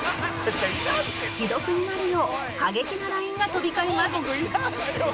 既読になるよう過激な ＬＩＮＥ が飛び交います